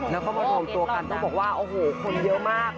แล้วก็มารวมตัวกันต้องบอกว่าโอ้โหคนเยอะมาก